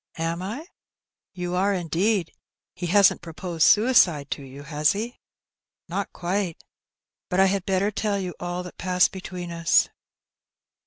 "Am I?" "You are, indeed. He hasn't proposed suicide to you, has he?" "Not quite. Bat I had better tell you all that passed between us."